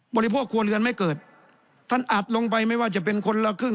ริโภคครัวเรือนไม่เกิดท่านอัดลงไปไม่ว่าจะเป็นคนละครึ่ง